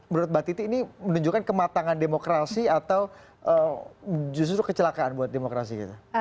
menurut mbak titi ini menunjukkan kematangan demokrasi atau justru kecelakaan buat demokrasi kita